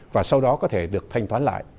và sau đó có thể được thanh toán lại